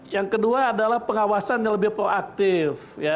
yang kedua adalah pengawasan yang lebih proaktif